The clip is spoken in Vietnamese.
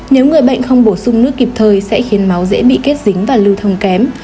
nếu người bệnh không bổ sung nước kịp thời sẽ khiến máu dễ bị kết dính và lưu thông kém